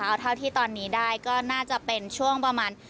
เอาเท่าที่ตอนนี้ได้ก็น่าจะเป็นช่วงประมาณ